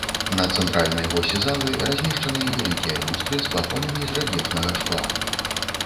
На цэнтральнай восі залы размешчаны вялікія люстры з плафонамі з рэльефнага шкла.